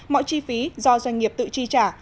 mọi chi phí do doanh nghiệp tự tri trả